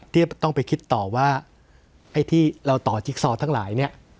ที่จะต้องไปคิดต่อว่าไอ้ที่เราต่อจิ๊กซอทั้งหลายเนี่ย